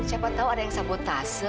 siapa tahu ada yang sabotase